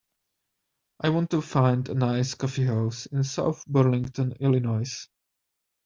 I want to find a nice coffeehouse in South Burlington Illinois